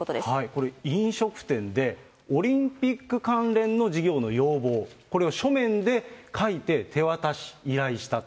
これ、飲食店で、オリンピック関連の事業の要望、これを書面で書いて、手渡し、依頼した。